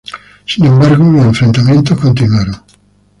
Sin embargo los enfrentamientos continuaron.